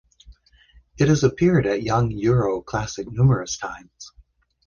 It has appeared at Young Euro Classic numerous times.